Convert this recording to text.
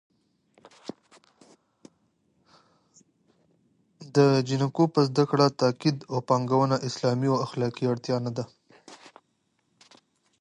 د نجونو په زده کړه تاکید او پانګونه اسلامي او اخلاقي اړتیا نه ده